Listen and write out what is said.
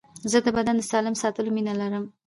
زه د بدن د سالم ساتلو سره مینه لرم.